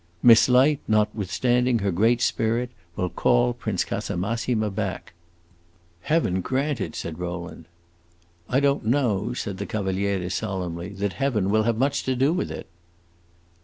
"Miss Light, notwithstanding her great spirit, will call Prince Casamassima back." "Heaven grant it!" said Rowland. "I don't know," said the Cavaliere, solemnly, "that heaven will have much to do with it."